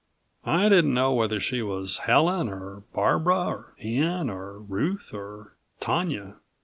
I didn't know whether she was Helen or Barbara, Anne or Ruth or Tanya.